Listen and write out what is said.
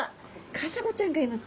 カサゴちゃんがいます。